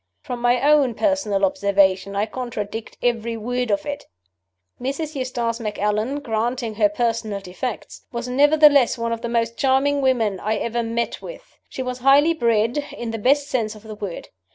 From my own personal observation, I contradict every word of it. Mrs. Eustace Macallan granting her personal defects was nevertheless one of the most charming women I ever met with. She was highly bred, in the best sense of the word.